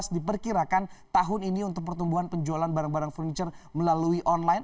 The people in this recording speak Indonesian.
diperkirakan tahun ini untuk pertumbuhan penjualan barang barang furniture melalui online